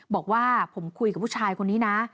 บอกว่าผมคุยกับผู้ชายคนนี้นะ